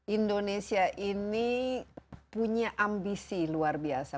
indonesia ini punya ambisi luar biasa